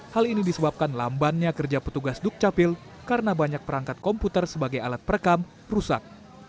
hal ini disebabkan lambannya kerja petugas dukcapil karena banyak perangkat komputer sebagai alat perekam rusak